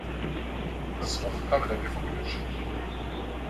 Tesfeḍ ṭabla mi fukken učči.